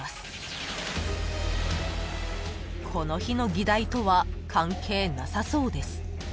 ［この日の議題とは関係なさそうです］